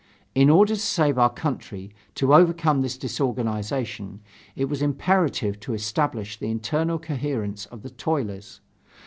In order to save our country, to overcome this disorganization, it was imperative to establish the internal coherence of the toilers.